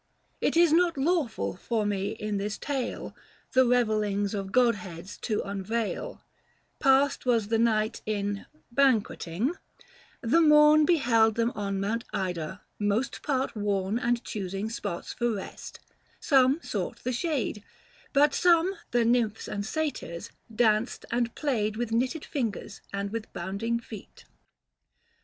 385 It is not lawful for me in this tale The re veilings of godheads to unveil : Passed was the night in banquetting, the morn Beheld them on Mount Ida most part worn And choosing spots for rest ; some sought the shade ; 390 But some, the nymphs and satyrs, danced and played With knitted fingers and with bounding feet.